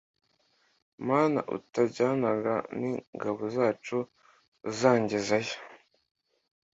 Mana utajyanaga n ingabo zacu uzangezayo